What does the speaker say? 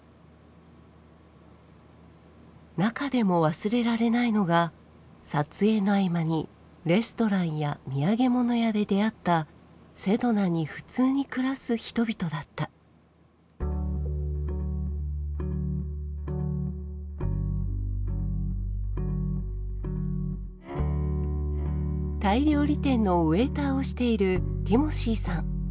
中でも忘れられないのが撮影の合間にレストランや土産物屋で出会ったセドナに普通に暮らす人々だったタイ料理店のウエイターをしているティモシーさん。